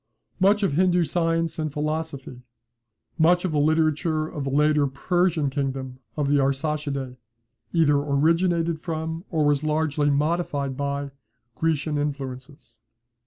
Much of Hindoo science and philosophy, much of the literature of the later Persian kingdom of the Arsacidae, either originated from, or was largely modified by, Grecian influences.